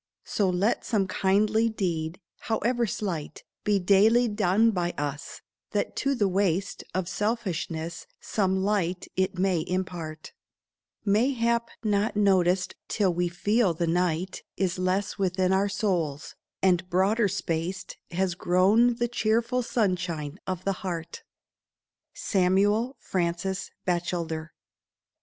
So let some kindly deed, however slight, Be daily done by us, that to the waste Of selfishness some light it may impart Mayhap not noticed till we feel the night Is less within our souls, and broader spaced Has grown the cheerful sunshine of the heart. _Samuel Francis Batchelder.